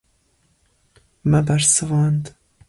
Me bersivand.